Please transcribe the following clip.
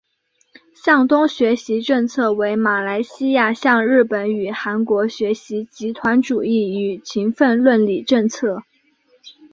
向东学习政策为马来西亚向日本与韩国学习集团主义与勤奋论理政策。